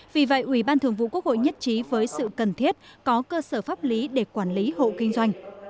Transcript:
vì vậy ubth nhất trí với sự cần thiết có cơ sở pháp lý để quản lý hộ kinh doanh